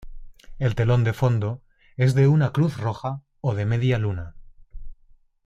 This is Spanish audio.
El telón de fondo es de una Cruz Roja o de Media Luna.